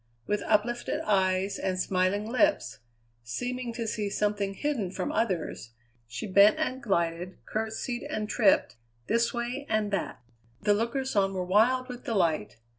With uplifted eyes and smiling lips, seeming to see something hidden from others, she bent and glided, curtesied and tripped, this way and that. The lookers on were wild with delight.